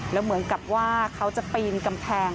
แล้วเหมือนกับว่าเขาจะปีนกำแพง